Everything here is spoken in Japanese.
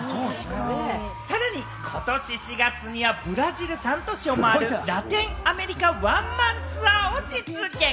さらにことし４月にはブラジル３都市を回るラテンアメリカワンマンツアーを実現。